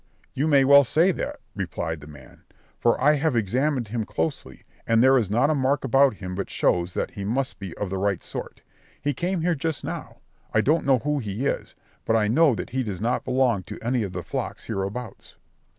"You may well say that," replied the man; "for I have examined him closely, and there is not a mark about him but shows that he must be of the right sort. He came here just now; I don't know whose he is, but I know that he does not belong to any of the flocks hereabouts."